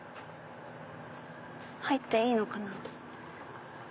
入っていいのかな？